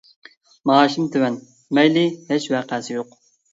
مائاشىم تۆۋەن. مەيلى ھېچ ۋەقەسى يوق.